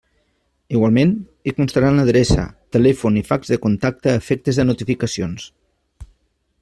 Igualment, hi constarà l'adreça, telèfon i fax de contacte a efectes de notificacions.